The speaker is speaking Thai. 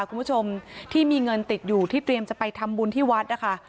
คุณผู้ชมที่มีเงินติดอยู่ที่เตรียมจะไปทำบุญที่วัดนะคะ